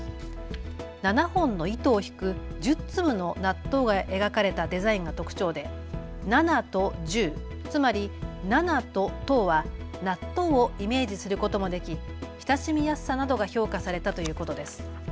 ７本の糸を引く１０粒の納豆が描かれたデザインが特徴で７と１０、つまり７と１０は納豆をイメージすることもでき親しみやすさなどが評価されたということです。